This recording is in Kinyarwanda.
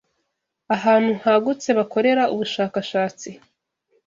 ahantu hagutse bakorera ubushakashatsi